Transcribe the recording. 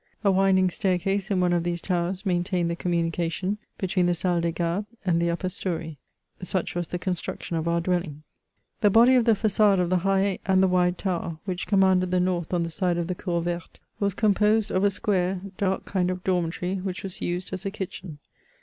A winding staircase in one of these towers maintained the communication between the Salle des Gardes" and the upper story. Such was the con struction of our dwelling. The body of the fa9ade of the high and the wide tower, which commanded the north on the side of the " cour verte," was composed of a square, dark kind of dormitory, which was used as a kitchen.